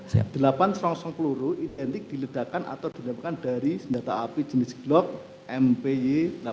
delapan selongsong peluru identik diledakan atau dinyatakan dari senjata api jenis glock mpy delapan ratus lima puluh satu